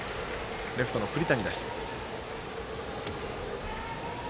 レフトの栗谷です。